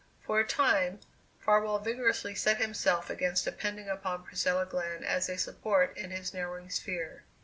For a time Farwell vigorously set himself against depending upon Priscilla Glenn as a support in his narrowing sphere.